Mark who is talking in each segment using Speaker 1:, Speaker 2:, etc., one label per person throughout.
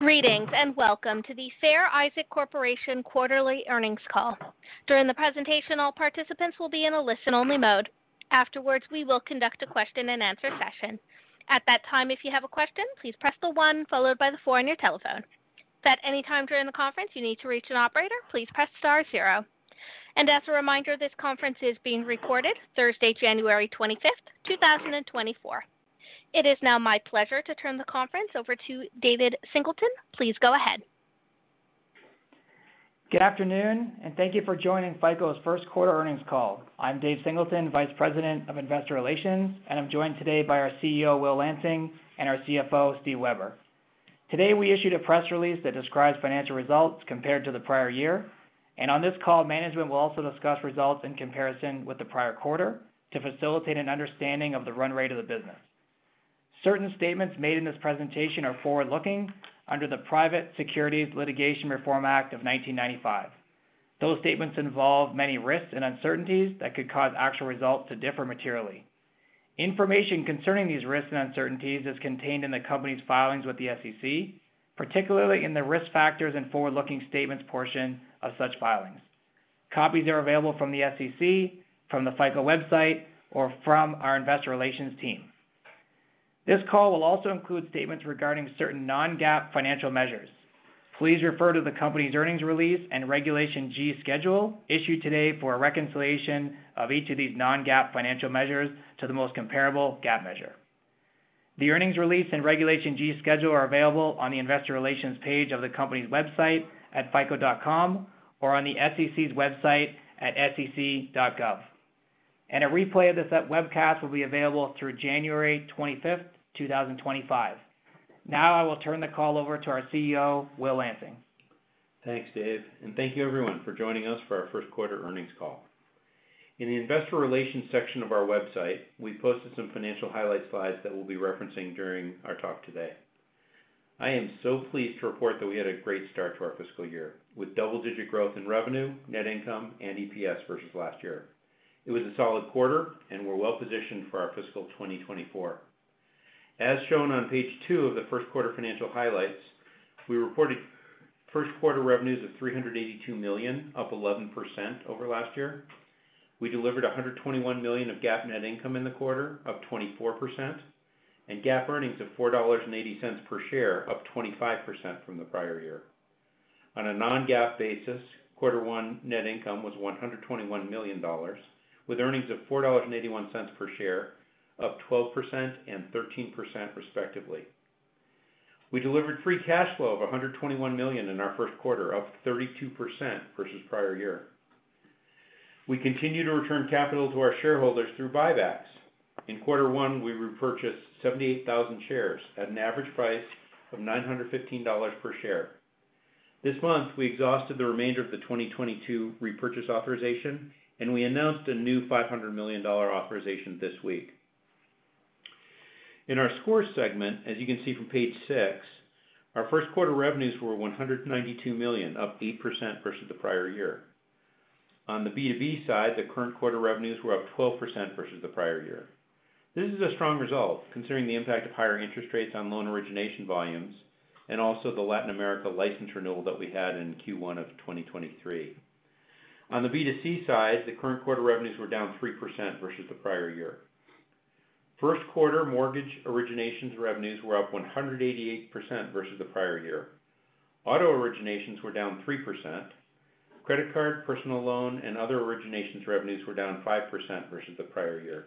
Speaker 1: Greetings, and welcome to the Fair Isaac Corporation quarterly earnings call. During the presentation, all participants will be in a listen-only mode. Afterwards, we will conduct a question-and-answer session. At that time, if you have a question, please press one followed by four on your telephone. If at any time during the conference you need to reach an operator, please press star zero. And as a reminder, this conference is being recorded Thursday, January 25, 2024. It is now my pleasure to turn the conference over to David Singleton. Please go ahead.
Speaker 2: Good afternoon, and thank you for joining FICO's first quarter earnings call. I'm Dave Singleton, Vice President of Investor Relations, and I'm joined today by our CEO, Will Lansing, and our CFO, Steve Weber. Today, we issued a press release that describes financial results compared to the prior year, and on this call, management will also discuss results in comparison with the prior quarter to facilitate an understanding of the run rate of the business. Certain statements made in this presentation are forward-looking under the Private Securities Litigation Reform Act of 1995. Those statements involve many risks and uncertainties that could cause actual results to differ materially. Information concerning these risks and uncertainties is contained in the company's filings with the SEC, particularly in the Risk Factors and Forward-Looking Statements portion of such filings. Copies are available from the SEC, from the FICO website, or from our investor relations team. This call will also include statements regarding certain non-GAAP financial measures. Please refer to the company's earnings release and Regulation G Schedule issued today for a reconciliation of each of these non-GAAP financial measures to the most comparable GAAP measure. The earnings release and Regulation G schedule are available on the Investor Relations page of the company's website at fico.com or on the SEC's website at sec.gov. A replay of this webcast will be available through January 25, 2025. Now I will turn the call over to our CEO, Will Lansing.
Speaker 3: Thanks, Dave, and thank you everyone for joining us for our first quarter earnings call. In the investor relations section of our website, we posted some financial highlight slides that we'll be referencing during our talk today. I am so pleased to report that we had a great start to our fiscal year, with double-digit growth in revenue, net income, and EPS versus last year. It was a solid quarter and we're well-positioned for our fiscal 2024. As shown on page two of the first quarter financial highlights, we reported first quarter revenues of $382 million, up 11% over last year. We delivered $121 million of GAAP net income in the quarter, up 24%, and GAAP earnings of $4.80 per share, up 25% from the prior year. On a Non-GAAP basis, quarter one net income was $121 million, with earnings of $4.81 per share, up 12% and 13% respectively. We delivered free cash flow of $121 million in our first quarter, up 32% versus prior year. We continue to return capital to our shareholders through buybacks. In quarter one, we repurchased 78,000 shares at an average price of $915 per share. This month, we exhausted the remainder of the 2022 repurchase authorization, and we announced a new $500 million authorization this week. In our Scores segment, as you can see from page six, our first quarter revenues were $192 million, up 8% versus the prior year. On the B2B side, the current quarter revenues were up 12% versus the prior year. This is a strong result, considering the impact of higher interest rates on loan origination volumes and also the Latin America license renewal that we had in Q1 of 2023. On the B2C side, the current quarter revenues were down 3% versus the prior year. First quarter mortgage originations revenues were up 188% versus the prior year. Auto originations were down 3%. Credit card, personal loan, and other originations revenues were down 5% versus the prior year.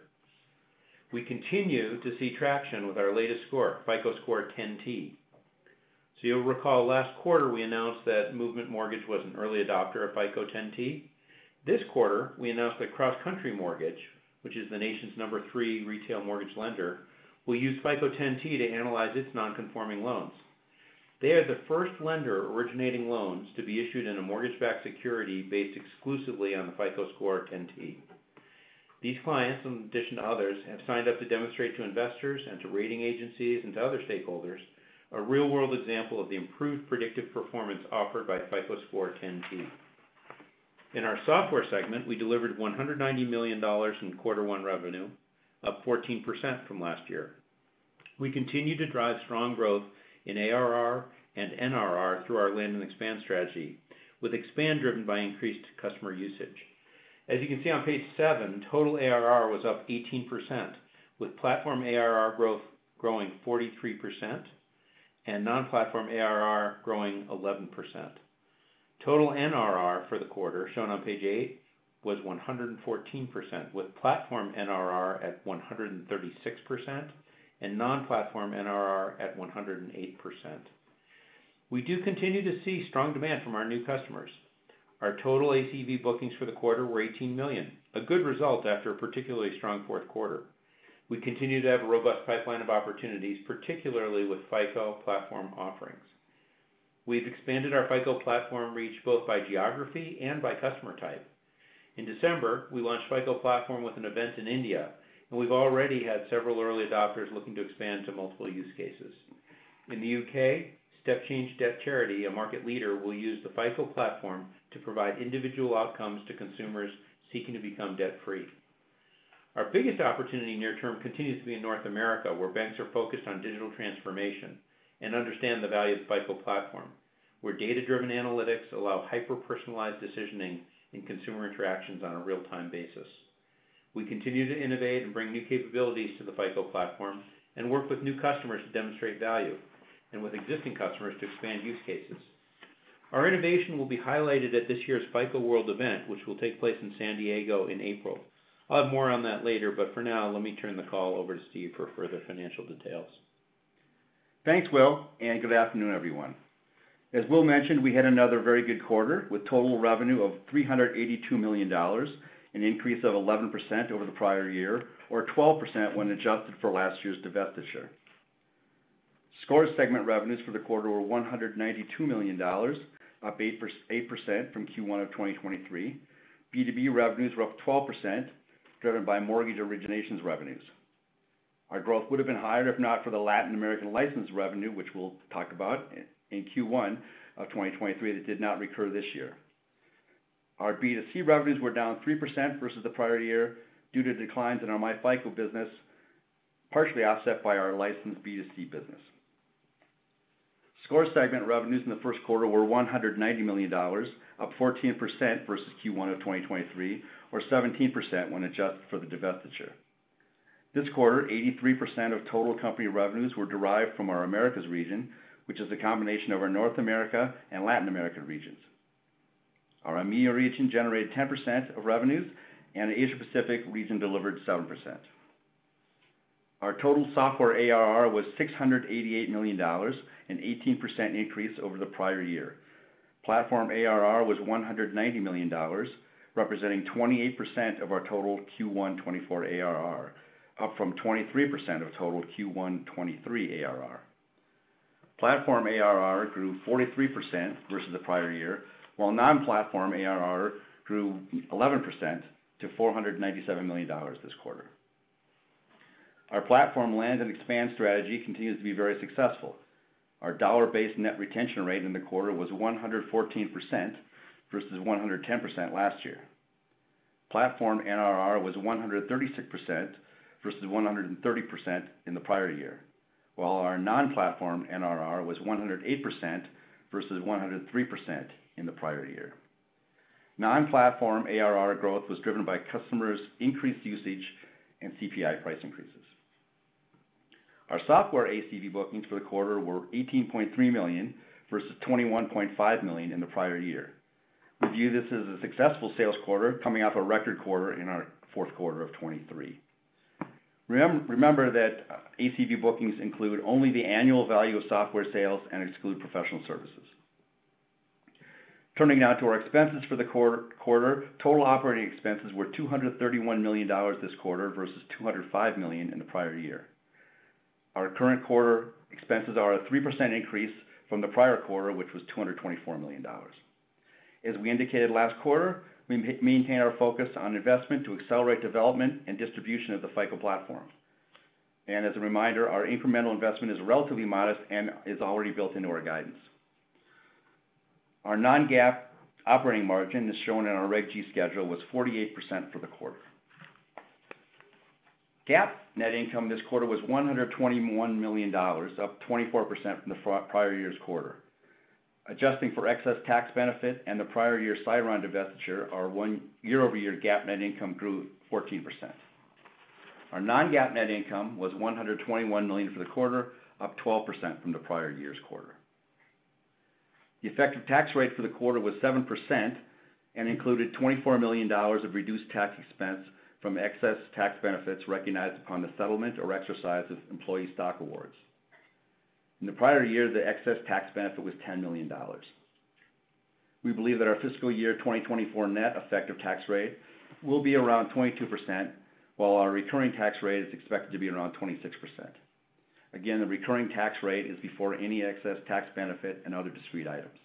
Speaker 3: We continue to see traction with our latest score, FICO Score 10T. So you'll recall last quarter, we announced that Movement Mortgage was an early adopter of FICO 10T. This quarter, we announced that CrossCountry Mortgage, which is the nation's number three retail mortgage lender, will use FICO 10T to analyze its non-conforming loans. They are the first lender originating loans to be issued in a mortgage-backed security based exclusively on the FICO Score 10T. These clients, in addition to others, have signed up to demonstrate to investors and to rating agencies and to other stakeholders, a real-world example of the improved predictive performance offered by FICO Score 10T. In our Software segment, we delivered $190 million in quarter one revenue, up 14% from last year. We continue to drive strong growth in ARR and NRR through our land and expand strategy, with expand driven by increased customer usage. As you can see on page seven, total ARR was up 18%, with platform ARR growth growing 43% and non-platform ARR growing 11%. Total NRR for the quarter, shown on page eight, was 114%, with platform NRR at 136% and non-platform NRR at 108%. We do continue to see strong demand from our new customers. Our total ACV bookings for the quarter were $18 million, a good result after a particularly strong fourth quarter. We continue to have a robust pipeline of opportunities, particularly with FICO Platform offerings. We've expanded our FICO Platform reach both by geography and by customer type. In December, we launched FICO Platform with an event in India, and we've already had several early adopters looking to expand to multiple use cases. In the U.K., StepChange Debt Charity, a market leader, will use the FICO Platform to provide individual outcomes to consumers seeking to become debt-free. Our biggest opportunity near term continues to be in North America, where banks are focused on digital transformation and understand the value of the FICO Platform, where data-driven analytics allow hyper-personalized decisioning in consumer interactions on a real-time basis. We continue to innovate and bring new capabilities to the FICO Platform and work with new customers to demonstrate value and with existing customers to expand use cases. Our innovation will be highlighted at this year's FICO World event, which will take place in San Diego in April. I'll have more on that later, but for now, let me turn the call over to Steve for further financial details.
Speaker 4: Thanks, Will, and good afternoon, everyone. As Will mentioned, we had another very good quarter, with total revenue of $382 million, an increase of 11% over the prior year, or 12% when adjusted for last year's divestiture. Scores segment revenues for the quarter were $192 million, up 8% from Q1 of 2023. B2B revenues were up 12%, driven by mortgage originations revenues. Our growth would have been higher if not for the Latin American license revenue, which we'll talk about, in Q1 of 2023, that did not recur this year. Our B2C revenues were down 3% versus the prior year due to declines in our myFICO business, partially offset by our licensed B2C business. Score segment revenues in the first quarter were $190 million, up 14% versus Q1 of 2023, or 17% when adjusted for the divestiture. This quarter, 83% of total company revenues were derived from our Americas region, which is a combination of our North America and Latin America regions. Our EMEA region generated 10% of revenues, and the Asia Pacific region delivered 7%. Our total Software ARR was $688 million, an 18% increase over the prior year. Platform ARR was $190 million, representing 28% of our total Q1 2024 ARR, up from 23% of total Q1 2023 ARR. Platform ARR grew 43% versus the prior year, while non-platform ARR grew 11% to $497 million this quarter. Our platform land and expand strategy continues to be very successful. Our dollar-based net retention rate in the quarter was 114% versus 110% last year. Platform NRR was 136% versus 130% in the prior year, while our non-platform NRR was 108% versus 103% in the prior year. Non-platform ARR growth was driven by customers' increased usage and CPI price increases. Our Software ACV bookings for the quarter were $18.3 million, versus $21.5 million in the prior year. We view this as a successful sales quarter, coming off a record quarter in our fourth quarter of 2023. Remember that ACV bookings include only the annual value of Software sales and exclude professional services. Turning now to our expenses for the quarter. Total operating expenses were $231 million this quarter versus $205 million in the prior year. Our current quarter expenses are a 3% increase from the prior quarter, which was $224 million. As we indicated last quarter, we maintain our focus on investment to accelerate development and distribution of the FICO Platform. As a reminder, our incremental investment is relatively modest and is already built into our guidance. Our non-GAAP operating margin, as shown in our Reg G schedule, was 48% for the quarter. GAAP net income this quarter was $121 million, up 24% from the prior year's quarter. Adjusting for excess tax benefit and the prior year Siron divestiture, our one-year-over-year GAAP net income grew 14%. Our non-GAAP net income was $121 million for the quarter, up 12% from the prior year's quarter. The effective tax rate for the quarter was 7% and included $24 million of reduced tax expense from excess tax benefits recognized upon the settlement or exercise of employee stock awards. In the prior year, the excess tax benefit was $10 million. We believe that our fiscal year 2024 net effective tax rate will be around 22%, while our recurring tax rate is expected to be around 26%. Again, the recurring tax rate is before any excess tax benefit and other discrete items.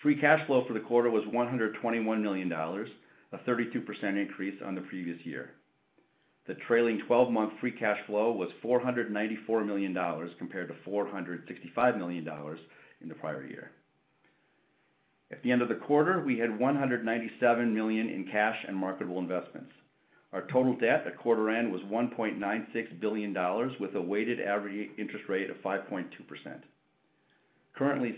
Speaker 4: Free cash flow for the quarter was $121 million, a 32% increase on the previous year. The trailing 12-month free cash flow was $494 million, compared to $465 million in the prior year. At the end of the quarter, we had $197 million in cash and marketable investments. Our total debt at quarter end was $1.96 billion, with a weighted average interest rate of 5.2%. Currently,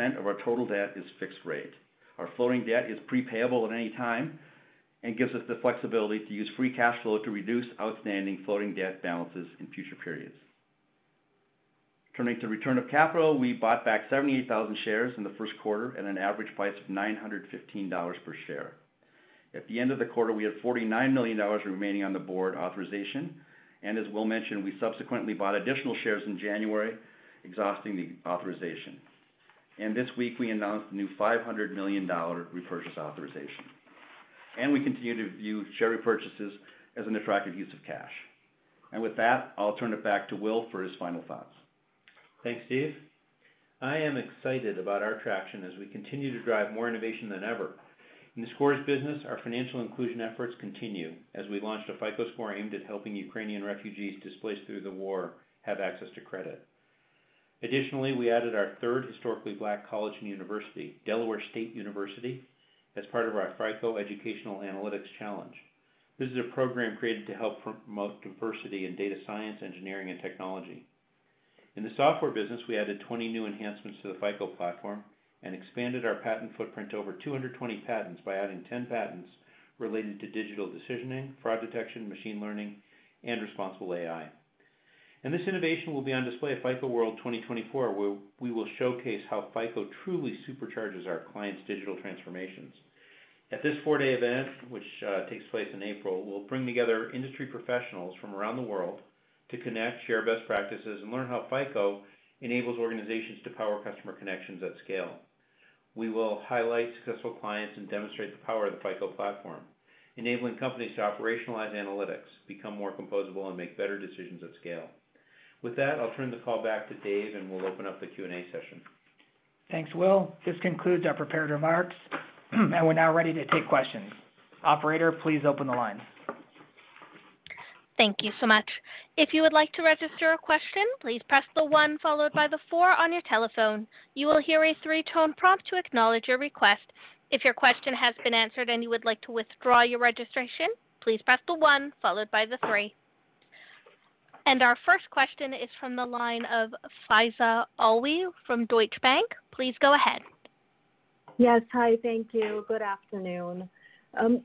Speaker 4: 66% of our total debt is fixed rate. Our floating debt is prepayable at any time and gives us the flexibility to use free cash flow to reduce outstanding floating debt balances in future periods. Turning to return of capital, we bought back 78,000 shares in the first quarter at an average price of $915 per share. At the end of the quarter, we had $49 million remaining on the board authorization, and as Will mentioned, we subsequently bought additional shares in January, exhausting the authorization. This week, we announced a new $500 million repurchase authorization. We continue to view share repurchases as an attractive use of cash. With that, I'll turn it back to Will for his final thoughts.
Speaker 3: Thanks, Steve. I am excited about our traction as we continue to drive more innovation than ever. In the Scores business, our financial inclusion efforts continue as we launched a FICO Score aimed at helping Ukrainian refugees displaced through the war have access to credit. Additionally, we added our third historically black college and university, Delaware State University, as part of our FICO Educational Analytics Challenge. This is a program created to help promote diversity in data science, engineering, and technology. In the Software business, we added 20 new enhancements to the FICO Platform and expanded our patent footprint to over 220 patents by adding 10 patents related to digital decisioning, fraud detection, machine learning, and responsible AI. This innovation will be on display at FICO World 2024, where we will showcase how FICO truly supercharges our clients' digital transformations. At this four-day event, which takes place in April, we'll bring together industry professionals from around the world to connect, share best practices, and learn how FICO enables organizations to power customer connections at scale. We will highlight successful clients and demonstrate the power of the FICO Platform, enabling companies to operationalize analytics, become more composable, and make better decisions at scale. With that, I'll turn the call back to Dave, and we'll open up the Q&A session.
Speaker 2: Thanks, Will. This concludes our prepared remarks, and we're now ready to take questions. Operator, please open the line.
Speaker 1: Thank you so much. If you would like to register a question, please press the one followed by the four on your telephone. You will hear a three-tone prompt to acknowledge your request. If your question has been answered and you would like to withdraw your registration, please press the one followed by the three. Our first question is from the line of Faiza Alwy from Deutsche Bank. Please go ahead.
Speaker 5: Yes, hi, thank you. Good afternoon.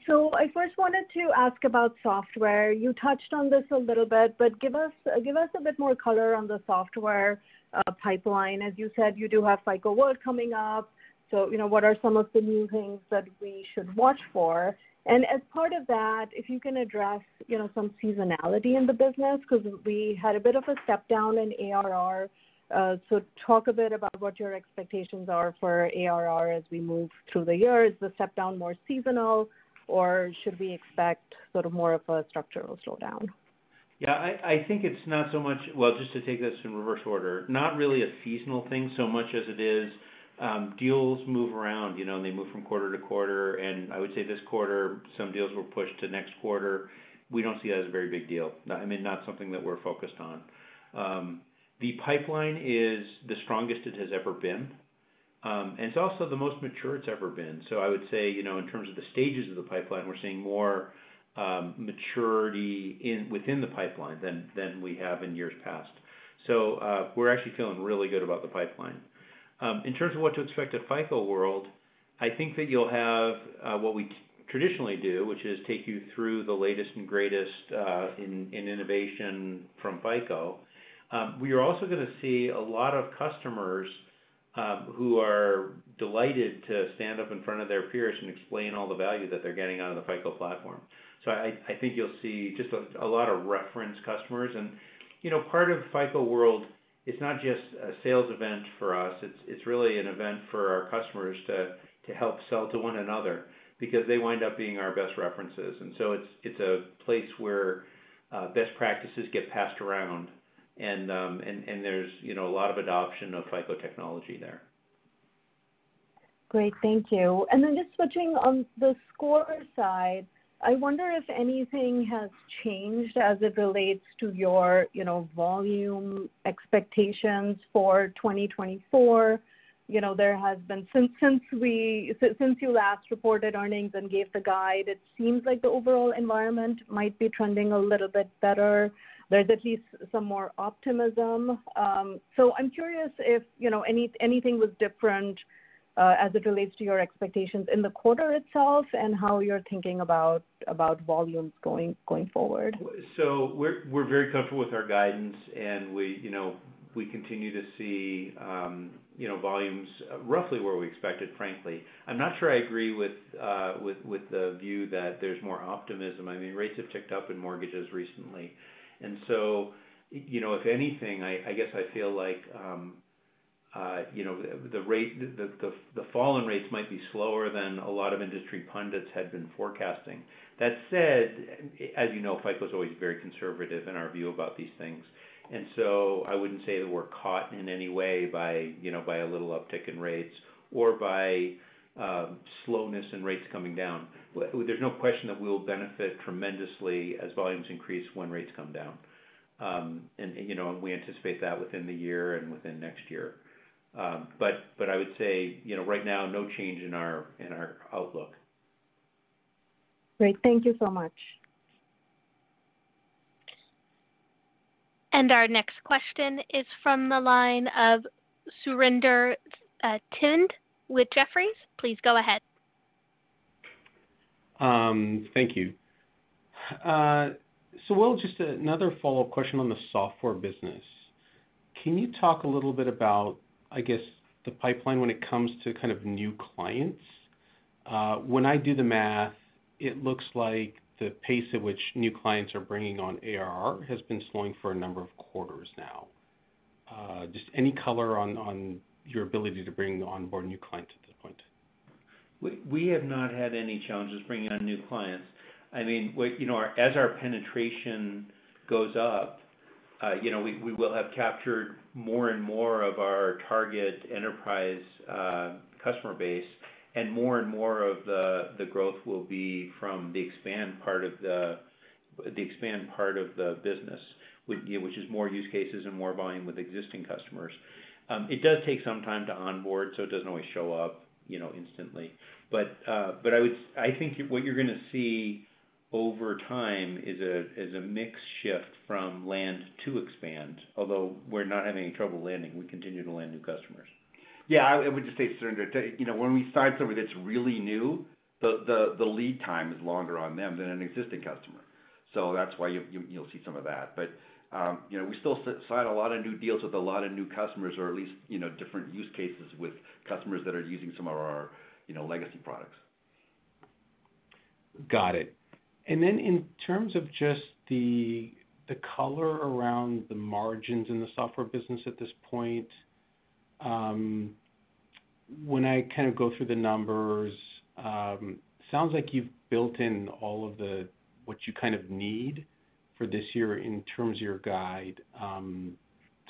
Speaker 5: So I first wanted to ask about Software. You touched on this a little bit, but give us, give us a bit more color on the Software pipeline. As you said, you do have FICO World coming up, so, you know, what are some of the new things that we should watch for? And as part of that, if you can address, you know, some seasonality in the business, 'cause we had a bit of a step-down in ARR. So talk a bit about what your expectations are for ARR as we move through the year. Is the step-down more seasonal, or should we expect sort of more of a structural slowdown?
Speaker 3: Yeah, I, I think it's not so much, well, just to take this in reverse order, not really a seasonal thing so much as it is, deals move around, you know, and they move from quarter-to-quarter. I would say this quarter, some deals were pushed to next quarter. We don't see that as a very big deal. I mean, not something that we're focused on. The pipeline is the strongest it has ever been, and it's also the most mature it's ever been. I would say, you know, in terms of the stages of the pipeline, we're seeing more maturity within the pipeline than we have in years past. We're actually feeling really good about the pipeline. In terms of what to expect at FICO World, I think that you'll have what we traditionally do, which is take you through the latest and greatest in innovation from FICO. We are also going to see a lot of customers who are delighted to stand up in front of their peers and explain all the value that they're getting out of the FICO Platform. So I think you'll see just a lot of reference customers. And, you know, part of FICO World, it's not just a sales event for us. It's really an event for our customers to help sell to one another because they wind up being our best references. And so it's a place where best practices get passed around, and there's, you know, a lot of adoption of FICO technology there.
Speaker 5: Great. Thank you. And then just switching on the score side, I wonder if anything has changed as it relates to your, you know, volume expectations for 2024. You know, there has been, since we last reported earnings and gave the guide, it seems like the overall environment might be trending a little bit better. There's at least some more optimism. So I'm curious if, you know, anything was different as it relates to your expectations in the quarter itself and how you're thinking about volumes going forward.
Speaker 3: So we're very comfortable with our guidance, and we, you know, we continue to see, you know, volumes roughly where we expected, frankly. I'm not sure I agree with the view that there's more optimism. I mean, rates have ticked up in mortgages recently. And so, you know, if anything, I guess I feel like, you know, the fallen rates might be slower than a lot of industry pundits had been forecasting. That said, as you know, FICO is always very conservative in our view about these things. And so I wouldn't say that we're caught in any way by, you know, by a little uptick in rates or by slowness in rates coming down. There's no question that we'll benefit tremendously as volumes increase when rates come down. You know, we anticipate that within the year and within next year. But I would say, you know, right now, no change in our outlook.
Speaker 5: Great. Thank you so much.
Speaker 1: Our next question is from the line of Surinder Thind with Jefferies. Please go ahead.
Speaker 6: Thank you. So Will, just another follow-up question on the Software business. Can you talk a little bit about, I guess, the pipeline when it comes to kind of new clients? When I do the math, it looks like the pace at which new clients are bringing on ARR has been slowing for a number of quarters now. Just any color on your ability to bring on board new clients at this point?
Speaker 3: We have not had any challenges bringing on new clients. I mean, you know, as our penetration goes up, you know, we will have captured more and more of our target enterprise customer base, and more and more of the growth will be from the expand part of the business, which is more use cases and more volume with existing customers. It does take some time to onboard, so it doesn't always show up, you know, instantly. But I would—I think what you're gonna see over time is a mix shift from land to expand, although we're not having any trouble landing. We continue to land new customers.
Speaker 4: Yeah, I would just say, Surinder, you know, when we sign somebody that's really new, the lead time is longer on them than an existing customer. So that's why you, you'll see some of that. But, you know, we still sign a lot of new deals with a lot of new customers, or at least, you know, different use cases with customers that are using some of our, you know, legacy products.
Speaker 6: Got it. And then in terms of just the color around the margins in the Software business at this point, when I kind of go through the numbers, sounds like you've built in all of the what you kind of need for this year in terms of your guide.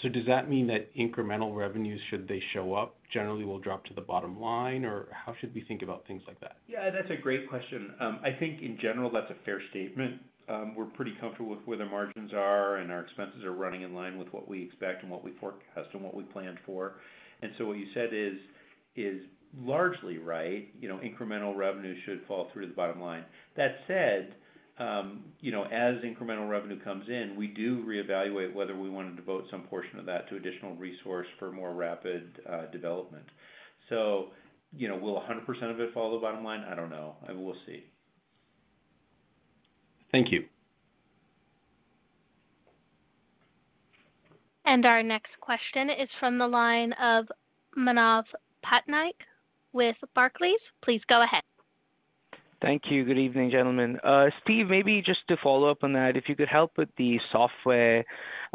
Speaker 6: So does that mean that incremental revenues, should they show up, generally will drop to the bottom line? Or how should we think about things like that?
Speaker 3: Yeah, that's a great question. I think in general, that's a fair statement. We're pretty comfortable with where the margins are, and our expenses are running in line with what we expect and what we forecast and what we planned for. And so what you said is, is largely right. You know, incremental revenue should fall through to the bottom line. That said, you know, as incremental revenue comes in, we do reevaluate whether we want to devote some portion of that to additional resource for more rapid development. So, you know, will 100% of it fall to the bottom line? I don't know. We'll see.
Speaker 6: Thank you.
Speaker 1: Our next question is from the line of Manav Patnaik with Barclays. Please go ahead.
Speaker 7: Thank you. Good evening, gentlemen. Steve, maybe just to follow up on that, if you could help with the Software,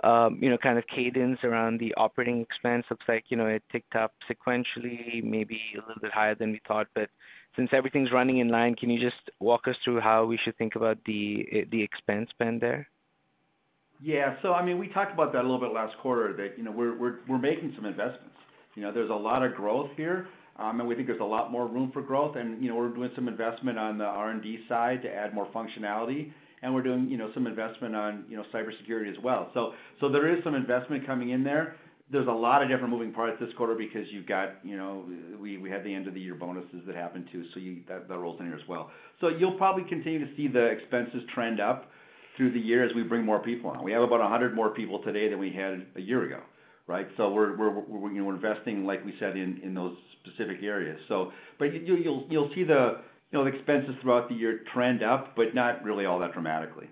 Speaker 7: you know, kind of cadence around the operating expense. Looks like, you know, it ticked up sequentially, maybe a little bit higher than we thought. But since everything's running in line, can you just walk us through how we should think about the expense spend there?
Speaker 4: Yeah. So I mean, we talked about that a little bit last quarter, that, you know, we're making some investments. You know, there's a lot of growth here, and we think there's a lot more room for growth. And, you know, we're doing some investment on the R&D side to add more functionality, and we're doing, you know, some investment on, you know, cybersecurity as well. So, so there is some investment coming in there. There's a lot of different moving parts this quarter because you've got, you know, we had the end-of-the-year bonuses that happened too, so that that rolls in here as well. So you'll probably continue to see the expenses trend up through the year as we bring more people on. We have about 100 more people today than we had a year ago, right? So we're investing, like we said, in those specific areas. But you'll see you know, the expenses throughout the year trend up, but not really all that dramatically.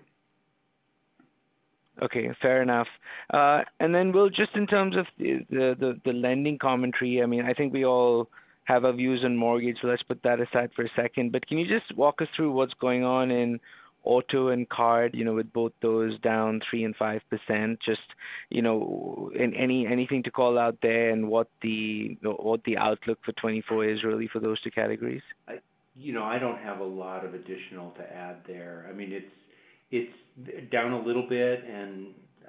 Speaker 7: Okay, fair enough. And then, well, just in terms of the lending commentary, I mean, I think we all have our views on mortgage, so let's put that aside for a second. But can you just walk us through what's going on in auto and card, you know, with both those down 3% and 5%? Just, you know, anything to call out there and what the outlook for 2024 is really for those two categories?
Speaker 3: You know, I don't have a lot of additional to add there. I mean, it's down a little bit and,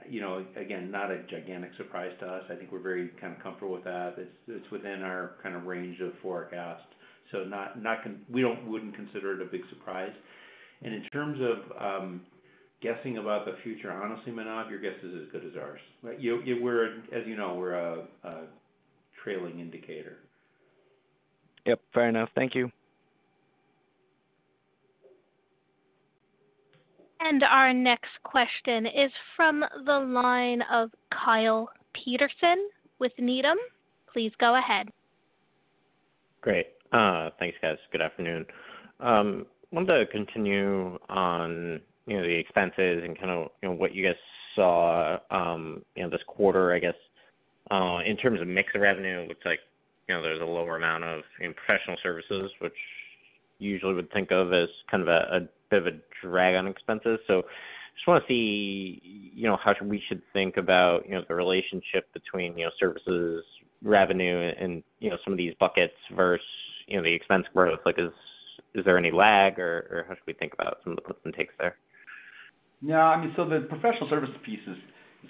Speaker 3: you know, again, not a gigantic surprise to us. I think we're very kind of comfortable with that. It's within our kind of range of forecast, so we wouldn't consider it a big surprise. And in terms of guessing about the future, honestly, Manav, your guess is as good as ours. Right? As you know, we're a trailing indicator.
Speaker 7: Yep, fair enough. Thank you.
Speaker 1: Our next question is from the line of Kyle Peterson with Needham. Please go ahead.
Speaker 8: Great. Thanks, guys. Good afternoon. Wanted to continue on, you know, the expenses and kind of, you know, what you guys saw, you know, this quarter, I guess. In terms of mix of revenue, it looks like, you know, there's a lower amount of in professional services, which usually would think of as kind of a bit of a drag on expenses. So just want to see, you know, how we should think about, you know, the relationship between, you know, services, revenue and, you know, some of these buckets versus, you know, the expense growth. Like, is there any lag or how should we think about some of the takes there?
Speaker 4: Yeah, I mean, so the professional services piece is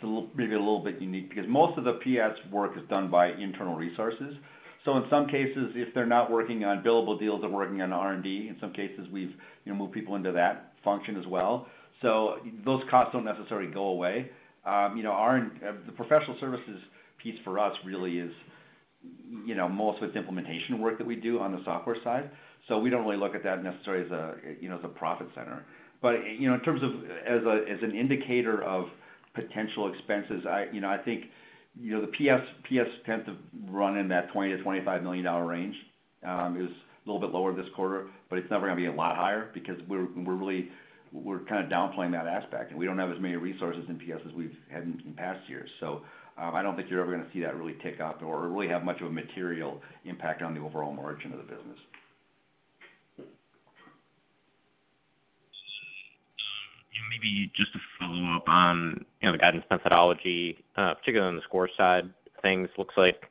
Speaker 4: a little, maybe a little bit unique because most of the PS work is done by internal resources. So in some cases, if they're not working on billable deals, they're working on R&D. In some cases, we've, you know, moved people into that function as well. So those costs don't necessarily go away. You know, our, the professional services piece for us really is, you know, most with implementation work that we do on the Software side. So we don't really look at that necessarily as a, you know, as a profit center. But, you know, in terms of as a, as an indicator of potential expenses, I, you know, I think, you know, the PS tends to run in that $20 million-$25 million range. It was a little bit lower this quarter, but it's never going to be a lot higher because we're really kind of downplaying that aspect, and we don't have as many resources in PS as we've had in past years. So, I don't think you're ever going to see that really tick up or really have much of a material impact on the overall margin of the business.
Speaker 8: Yeah, maybe just to follow up on, you know, the guidance methodology, particularly on the score side of things, looks like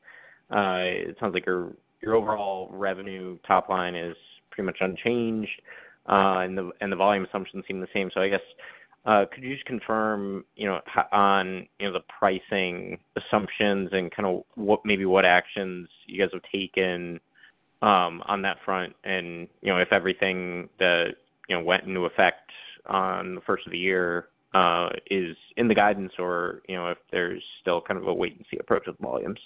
Speaker 8: it sounds like your, your overall revenue top line is pretty much unchanged and the volume assumptions seem the same. So I guess, could you just confirm, you know, on, you know, the pricing assumptions and kinda what—maybe what actions you guys have taken, on that front, and, you know, if everything that, you know, went into effect on the first of the year, is in the guidance, or, you know, if there's still kind of a wait-and-see approach with volumes?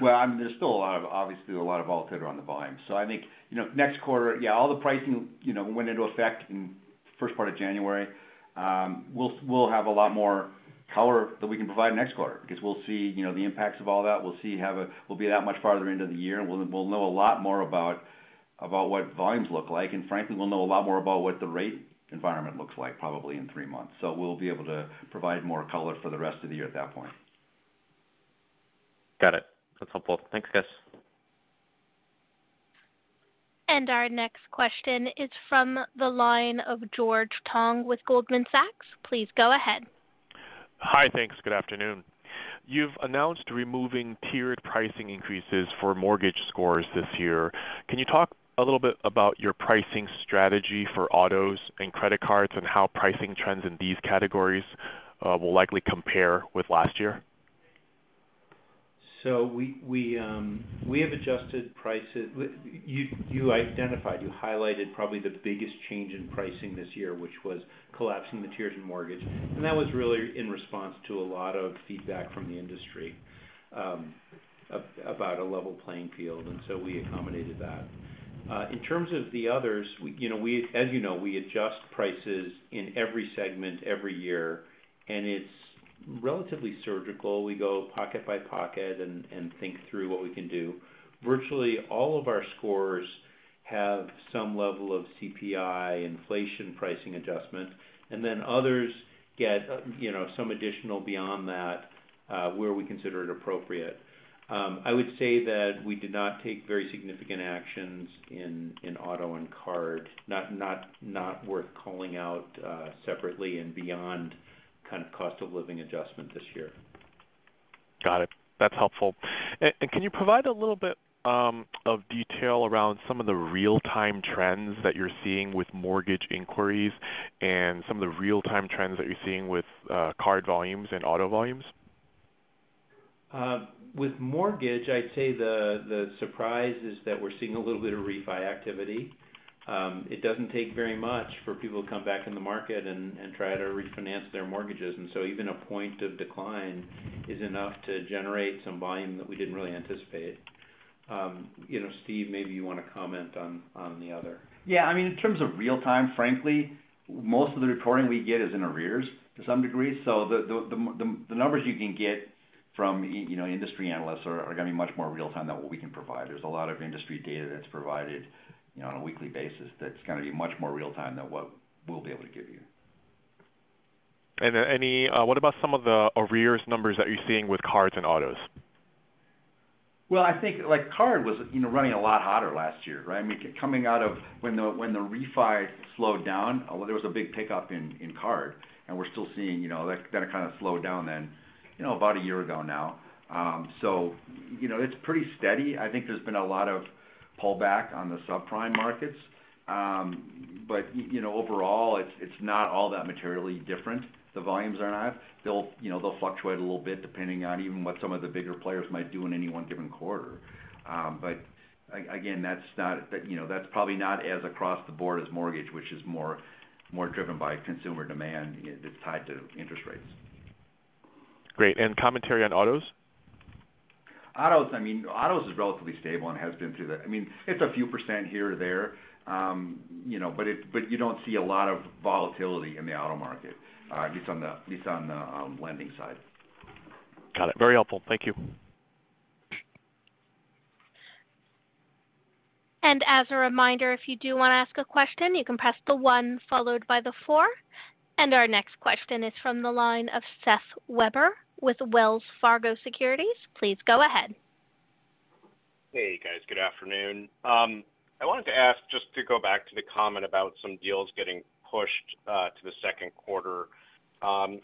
Speaker 4: Well, I mean, there's still a lot of, obviously, a lot of volatility around the volume. So I think, you know, next quarter, yeah, all the pricing, you know, went into effect in the first part of January. We'll, we'll have a lot more color that we can provide next quarter because we'll see, you know, the impacts of all that. We'll be that much farther into the year, and we'll, we'll know a lot more about what volumes look like. And frankly, we'll know a lot more about what the rate environment looks like, probably in three months. So we'll be able to provide more color for the rest of the year at that point.
Speaker 8: Got it. That's helpful. Thanks, guys.
Speaker 1: Our next question is from the line of George Tong with Goldman Sachs. Please go ahead.
Speaker 9: Hi, thanks. Good afternoon. You've announced removing tiered pricing increases for mortgage scores this year. Can you talk a little bit about your pricing strategy for autos and credit cards, and how pricing trends in these categories will likely compare with last year?
Speaker 3: So we have adjusted prices. You identified, you highlighted probably the biggest change in pricing this year, which was collapsing the tiers in mortgage, and that was really in response to a lot of feedback from the industry, about a level playing field, and so we accommodated that. In terms of the others, you know, as you know, we adjust prices in every segment, every year, and it's relatively surgical. We go pocket by pocket and think through what we can do. Virtually all of our scores have some level of CPI inflation pricing adjustment, and then others get, you know, some additional beyond that, where we consider it appropriate. I would say that we did not take very significant actions in auto and card, not worth calling out separately and beyond kind of cost of living adjustment this year.
Speaker 9: Got it. That's helpful. And can you provide a little bit of detail around some of the real-time trends that you're seeing with mortgage inquiries and some of the real-time trends that you're seeing with card volumes and auto volumes?
Speaker 3: With mortgage, I'd say the surprise is that we're seeing a little bit of refi activity. It doesn't take very much for people to come back in the market and try to refinance their mortgages, and so even a point of decline is enough to generate some volume that we didn't really anticipate. You know, Steve, maybe you want to comment on the other.
Speaker 4: Yeah, I mean, in terms of real time, frankly, most of the reporting we get is in arrears to some degree. So the numbers you can get from you know, industry analysts are gonna be much more real time than what we can provide. There's a lot of industry data that's provided, you know, on a weekly basis that's gonna be much more real time than what we'll be able to give you.
Speaker 9: And then any, what about some of the arrears numbers that you're seeing with cards and autos?
Speaker 4: Well, I think, like, card was, you know, running a lot hotter last year, right? I mean, coming out of when the, when the refi slowed down, well, there was a big pickup in, in card, and we're still seeing, you know, that kinda slowed down then, you know, about a year ago now. So, you know, it's pretty steady. I think there's been a lot of pull back on the subprime markets. But you know, overall, it's, it's not all that materially different, the volumes are not. They'll, you know, they'll fluctuate a little bit, depending on even what some of the bigger players might do in any one given quarter. But again, that's not, you know, that's probably not as across the board as mortgage, which is more, more driven by consumer demand that's tied to interest rates.
Speaker 9: Great. And commentary on autos?
Speaker 4: Autos, I mean, autos is relatively stable and has been through the, I mean, it's a few percent here or there, you know, but you don't see a lot of volatility in the auto market, at least on the lending side.
Speaker 9: Got it. Very helpful. Thank you.
Speaker 1: As a reminder, if you do wanna ask a question, you can press the one followed by the four. Our next question is from the line of Seth Weber with Wells Fargo Securities. Please go ahead.
Speaker 10: Hey, guys. Good afternoon. I wanted to ask, just to go back to the comment about some deals getting pushed to the second quarter.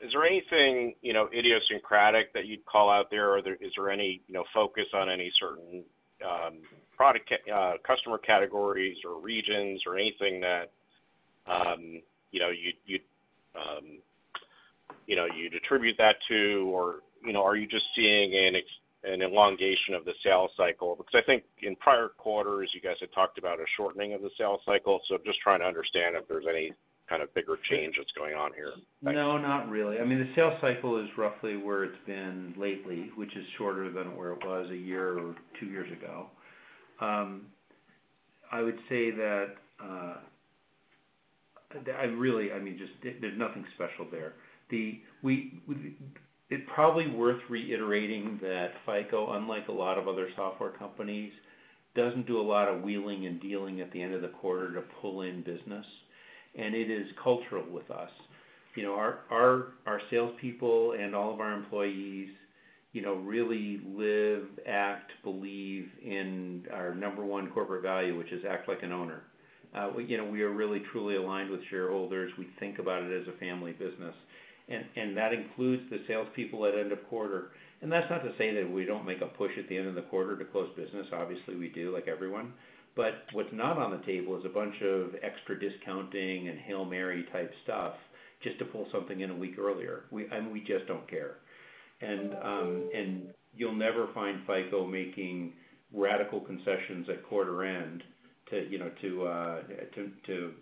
Speaker 10: Is there anything, you know, idiosyncratic that you'd call out there? Is there any, you know, focus on any certain product categories or customer categories or regions or anything that, you know, you, you, you know, you'd attribute that to? Or, you know, are you just seeing an elongation of the sales cycle? Because I think in prior quarters, you guys had talked about a shortening of the sales cycle. So I'm just trying to understand if there's any kind of bigger change that's going on here.
Speaker 3: No, not really. I mean, the sales cycle is roughly where it's been lately, which is shorter than where it was a year or two years ago. I would say that I really, I mean, just there's nothing special there. We—it's probably worth reiterating that FICO, unlike a lot of other software companies, doesn't do a lot of wheeling and dealing at the end of the quarter to pull in business, and it is cultural with us. You know, our salespeople and all of our employees., you know, really live, act, believe in our number one corporate value, which is act like an owner. We, you know, we are really truly aligned with shareholders. We think about it as a family business, and that includes the salespeople at end of quarter. That's not to say that we don't make a push at the end of the quarter to close business. Obviously, we do, like everyone. But what's not on the table is a bunch of extra discounting and Hail Mary-type stuff just to pull something in a week earlier. We and we just don't care. And, and you'll never find FICO making radical concessions at quarter end to, you know, to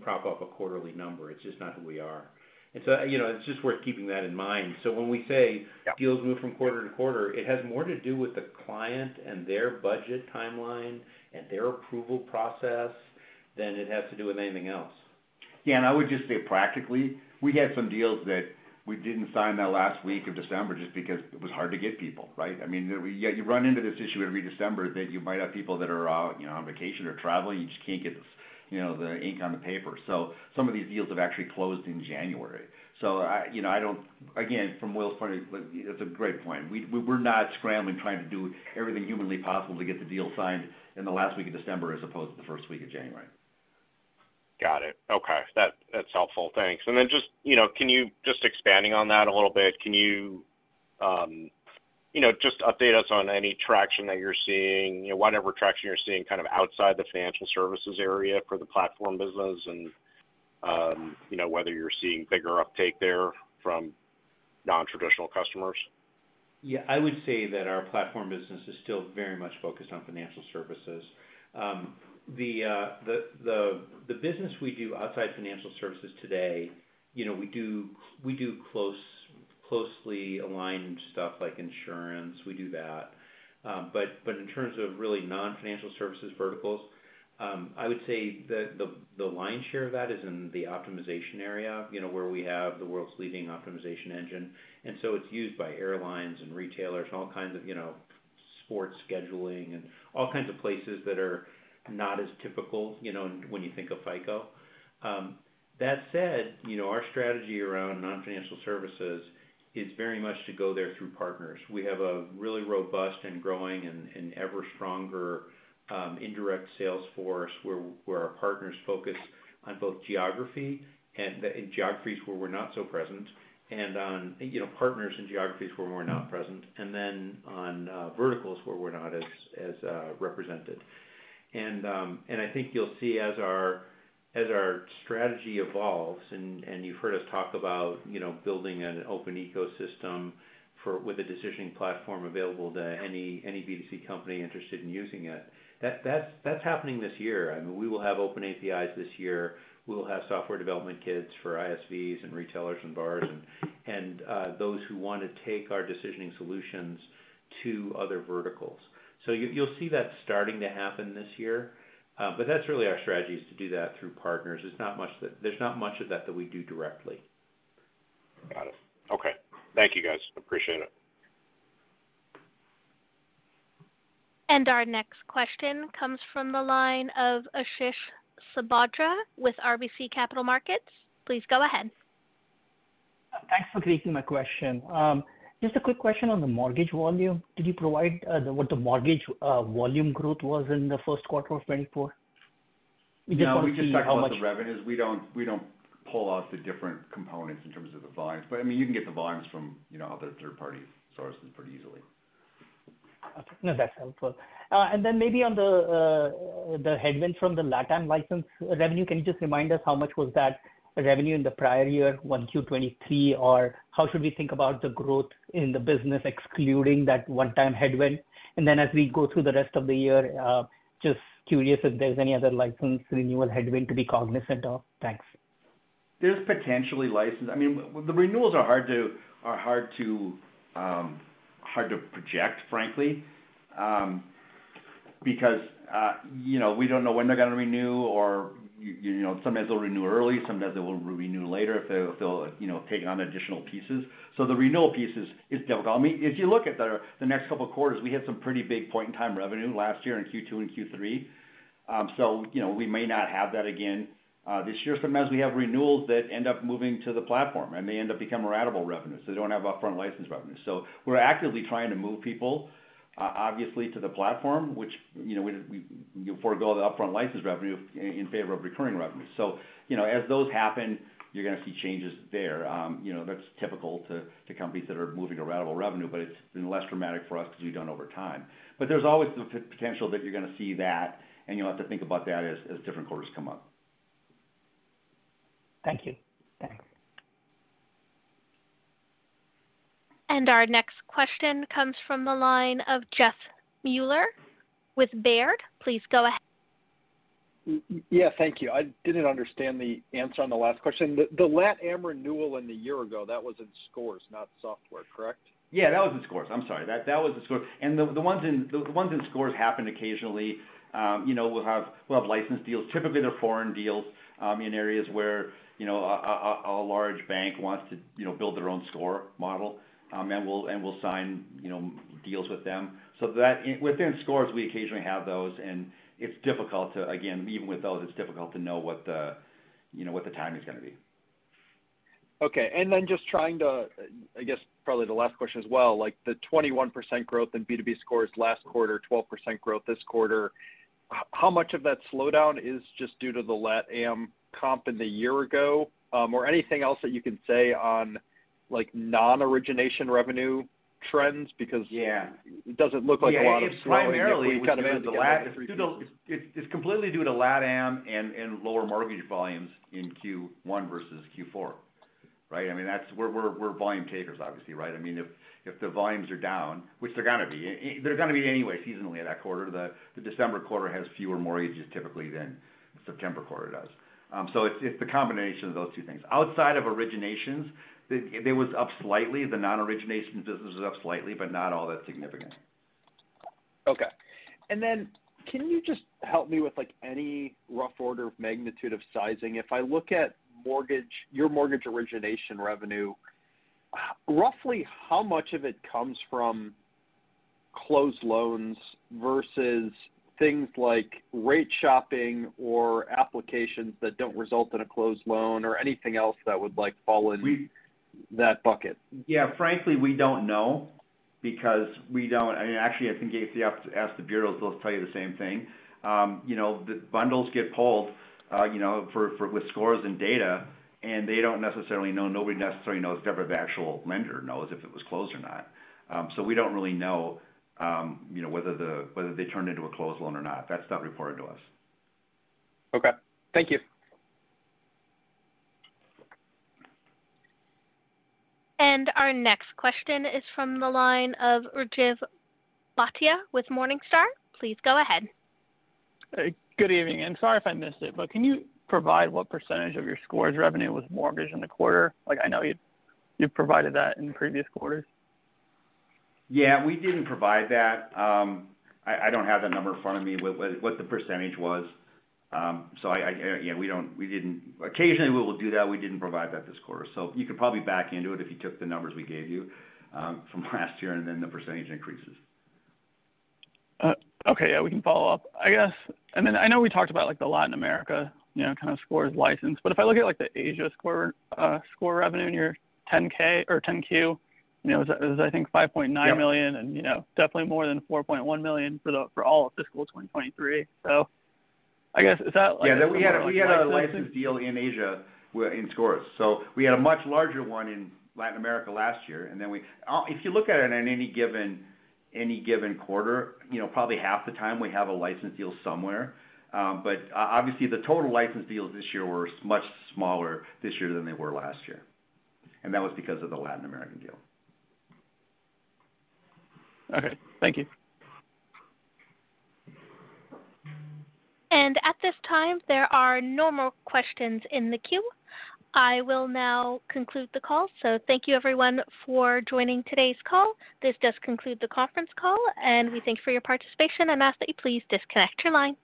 Speaker 3: prop up a quarterly number. It's just not who we are. And so, you know, it's just worth keeping that in mind. So when we say deals move from quarter-to-quarter, it has more to do with the client and their budget timeline and their approval process than it has to do with anything else.
Speaker 4: Yeah, and I would just say practically, we had some deals that we didn't sign that last week of December just because it was hard to get people, right? I mean, we, yeah, you run into this issue every December that you might have people that are out, you know, on vacation or traveling, you just can't get, you know, the ink on the paper. So some of these deals have actually closed in January. So I, you know, I don't, again, from Will's point of view, that's a great point. We, we're not scrambling, trying to do everything humanly possible to get the deal signed in the last week of December as opposed to the first week of January.
Speaker 10: Got it. Okay. That, that's helpful. Thanks. And then just, you know, can you, just expanding on that a little bit, can you, you know, just update us on any traction that you're seeing, you know, whatever traction you're seeing kind of outside the financial services area for the platform business and, you know, whether you're seeing bigger uptake there from nontraditional customers?
Speaker 3: Yeah, I would say that our platform business is still very much focused on financial services. The business we do outside financial services today, you know, we do closely aligned stuff like insurance, we do that. But in terms of really non-financial services verticals, I would say that the lion's share of that is in the optimization area, you know, where we have the world's leading optimization engine. And so it's used by airlines and retailers, all kinds of, you know, sports scheduling and all kinds of places that are not as typical, you know, when you think of FICO. That said, you know, our strategy around non-financial services is very much to go there through partners. We have a really robust and growing and ever stronger indirect sales force, where our partners focus on both geography and geographies where we're not so present, and on, you know, partners in geographies where we're not present, and then on verticals where we're not as represented. And I think you'll see as our strategy evolves, and you've heard us talk about, you know, building an open ecosystem for with a decisioning platform available to any B2C company interested in using it, that's happening this year. I mean, we will have open APIs this year. We'll have software development kits for ISVs and retailers and bars and those who want to take our decisioning solutions to other verticals. So you'll see that starting to happen this year. But that's really our strategy, is to do that through partners. There's not much of that that we do directly.
Speaker 10: Got it. Okay. Thank you, guys. Appreciate it.
Speaker 1: Our next question comes from the line of Ashish Sabadra with RBC Capital Markets. Please go ahead.
Speaker 11: Thanks for taking my question. Just a quick question on the mortgage volume. Did you provide what the mortgage volume growth was in the first quarter of 2024?
Speaker 4: No, we just talk about the revenues. We don't, we don't pull out the different components in terms of the volumes. But, I mean, you can get the volumes from, you know, other third-party sources pretty easily.
Speaker 11: Okay. No, that's helpful. And then maybe on the headwind from the LATAM license revenue, can you just remind us how much was that revenue in the prior year, 1Q 2023? Or how should we think about the growth in the business, excluding that one-time headwind? And then as we go through the rest of the year, just curious if there's any other license renewal headwind to be cognizant of. Thanks.
Speaker 4: There's potentially license—I mean, the renewals are hard to project, frankly, because, you know, we don't know when they're going to renew or, you know, sometimes they'll renew early, sometimes they will renew later if they'll, you know, take on additional pieces. So the renewal pieces is difficult. I mean, if you look at the next couple of quarters, we had some pretty big point-in-time revenue last year in Q2 and Q3. So, you know, we may not have that again, this year. Sometimes we have renewals that end up moving to the platform and may end up becoming ratable revenues, so we don't have upfront license revenues. So we're actively trying to move people, obviously, to the platform, which, you know, we forego the upfront license revenue in favor of recurring revenue. So, you know, as those happen, you're going to see changes there. You know, that's typical to companies that are moving to ratable revenue, but it's been less dramatic for us because we've done over time. But there's always the potential that you're going to see that, and you'll have to think about that as different quarters come up.
Speaker 11: Thank you. Thanks.
Speaker 1: Our next question comes from the line of Jeff Mueller with Baird. Please go ahead.
Speaker 12: Yeah, thank you. I didn't understand the answer on the last question. The LATAM renewal in the year ago, that was in Scores, not Software, correct?
Speaker 4: Yeah, that was in Scores. I'm sorry, that was in Scores. And the ones in Scores happen occasionally. You know, we'll have license deals. Typically, they're foreign deals, in areas where, you know, a large bank wants to, you know, build their own score model, and we'll sign, you know, deals with them. So that, within Scores, we occasionally have those, and it's difficult to—again, even with those, it's difficult to know what the, you know, what the timing is going to be.
Speaker 12: Okay, and then just trying to, I guess, probably the last question as well, like, the 21% growth in B2B Scores last quarter, 12% growth this quarter, how much of that slowdown is just due to the LATAM comp in the year ago? Or anything else that you can say on, like, non-origination revenue trends? Because—
Speaker 4: Yeah.
Speaker 12: It doesn't look like a lot of slowing-
Speaker 4: It's primarily kind of the LATAM—it's completely due to LATAM and lower mortgage volumes in Q1 versus Q4, right? I mean, that's—we're volume takers, obviously, right? I mean, if the volumes are down, which they're gonna be, they're gonna be anyway, seasonally in that quarter. The December quarter has fewer mortgages typically than September quarter does. So it's the combination of those two things. Outside of originations, it was up slightly. The non-origination business was up slightly, but not all that significant.
Speaker 12: Okay. And then can you just help me with, like, any rough order of magnitude of sizing? If I look at mortgage, your mortgage origination revenue, roughly how much of it comes from closed loans versus things like rate shopping or applications that don't result in a closed loan or anything else that would, like, fall in that bucket?
Speaker 4: Yeah, frankly, we don't know because we don't, I mean, actually, I think if you ask the bureaus, they'll tell you the same thing. You know, the bundles get pulled, you know, for with scores and data, and they don't necessarily know, nobody necessarily knows, never the actual lender knows if it was closed or not. So we don't really know, you know, whether they turned into a closed loan or not. That's not reported to us.
Speaker 12: Okay, thank you.
Speaker 1: Our next question is from the line of Rajiv Bhatia with Morningstar. Please go ahead.
Speaker 13: Hey, good evening, and sorry if I missed it, but can you provide what percentage of your Scores revenue was mortgage in the quarter? Like, I know you, you've provided that in previous quarters.
Speaker 4: Yeah, we didn't provide that. I don't have that number in front of me, what the percentage was. So, yeah, we don't. We didn't. Occasionally, we will do that. We didn't provide that this quarter. So you could probably back into it if you took the numbers we gave you, from last year, and then the percentage increases.
Speaker 13: Okay. Yeah, we can follow up. I guess, I mean, I know we talked about, like, the Latin America, you know, kind of Scores license, but if I look at, like, the Asia score, score revenue in your 10-K or 10-Q, you know, it was, I think, $5.9 million—
Speaker 4: Yeah.
Speaker 13: —and, you know, definitely more than $4.1 million for the, for all of fiscal 2023. So I guess, is that like—
Speaker 4: Yeah, we had a license deal in Asia in Scores. So we had a much larger one in Latin America last year, and then we—If you look at it in any given quarter, you know, probably half the time we have a license deal somewhere. But obviously, the total license deals this year were much smaller this year than they were last year, and that was because of the Latin American deal.
Speaker 13: Okay, thank you.
Speaker 1: At this time, there are no more questions in the queue. I will now conclude the call. Thank you everyone for joining today's call. This does conclude the conference call, and we thank you for your participation and ask that you please disconnect your line.